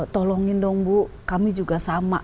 tolongin dong bu kami juga sama